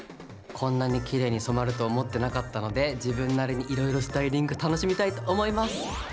こんなにきれいに染まると思ってなかったので自分なりにいろいろスタイリング楽しみたいと思います。